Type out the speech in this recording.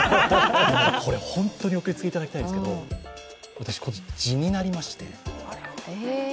本当にお気を付けいただきたいんですけど私、じになりまして。